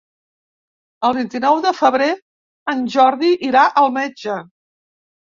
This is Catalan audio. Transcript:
El vint-i-nou de febrer en Jordi irà al metge.